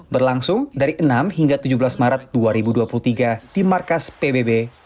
berlangsung dari enam hingga tujuh belas maret dua ribu dua puluh tiga di markas pbb